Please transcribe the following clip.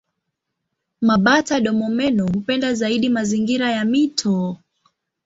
Mabata-domomeno hupenda zaidi mazingira ya mito.